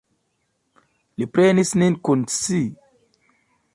Li prenis nin kun si.